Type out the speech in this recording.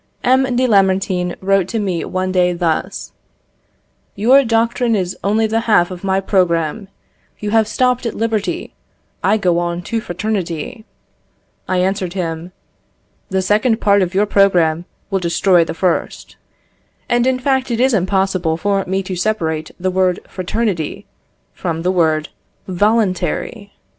M. de Lamartine wrote to me one day thus: "Your doctrine is only the half of my programme; you have stopped at liberty, I go on to fraternity." I answered him: "The second part of your programme will destroy the first." And in fact it is impossible for me to separate the word fraternity from the word voluntary.